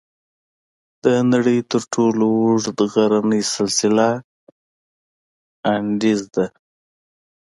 د نړۍ تر ټولو اوږد غرنی سلسله "انډیز" ده.